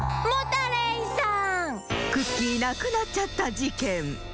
クッキーなくなっちゃったじけん。